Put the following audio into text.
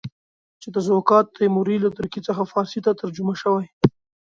چې تزوکات تیموري له ترکي څخه فارسي ته ترجمه شوی.